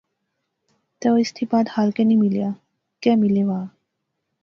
تے او اس تھی بعد خالقے نی ملیا، کہہ ملے وہا